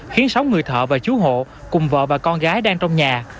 khiến sáu người thợ và chú hộ cùng vợ và con gái đang trong nhà